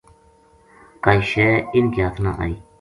کائی شے اِنھ کے ہتھ نہ آئی